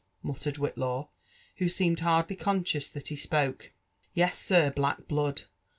muttered Whitlaw, who seemed hardly coAsdous that he spoke. '' Yes, sir, black blood!